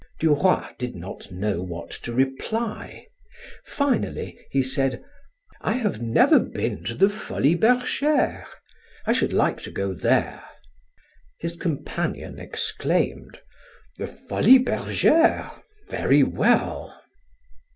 Duroy did not know what to reply; finally he said: "I have never been to the Folies Bergeres. I should like to go there." His companion exclaimed: "The Folies Bergeres! Very well!"